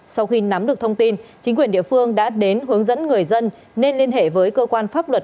sau khi nắm được thông tin chính quyền địa phương đã đến hướng dẫn người dân nên liên hệ với cơ quan pháp luật